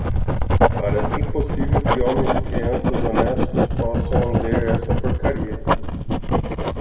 Parece impossível que homens e crianças honestos possam ler essa porcaria.